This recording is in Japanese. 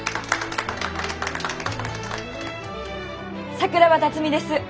桜庭辰美です！